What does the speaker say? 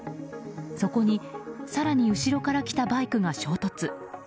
そこに、更に後ろから来たバイクが衝突。